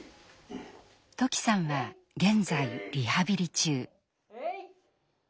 土岐さんは現在リハビリ中。